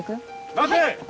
待て！